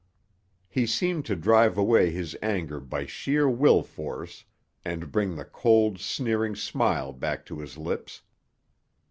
He seemed to drive away his anger by sheer will force and bring the cold, sneering smile back to his lips.